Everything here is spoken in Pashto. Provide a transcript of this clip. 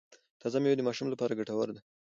تازه میوه د ماشوم لپاره ګټوره ده۔